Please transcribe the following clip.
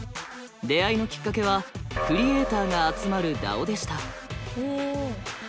出会いのきっかけはクリエーターが集まるＤＡＯでした。